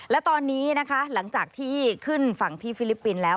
และตอนนี้นะคะหลังจากที่ขึ้นฝั่งที่ฟิลิปปินส์แล้ว